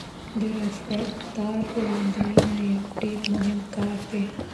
د رفتار وړاندوينه یو ډېر مهم کار دی.